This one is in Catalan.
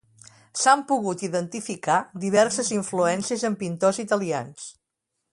S'han pogut identificar diverses influències en pintors italians.